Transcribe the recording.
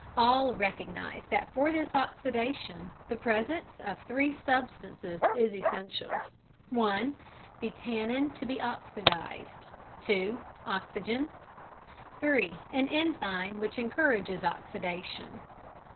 All recognise that for this oxidation the presence of three substances is essential: (1) The tannin to be oxidised. (2) Oxygen. (3) An enzyme which encourages the oxidation.